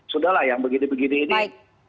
sudahlah yang begini begini ini